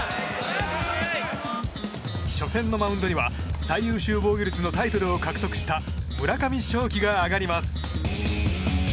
初戦のマウンドには最優秀防御率のタイトルを獲得した村上頌樹が上がります。